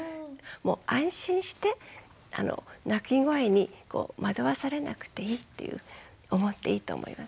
安心して泣き声に惑わされなくていいっていう思っていいと思いますよ。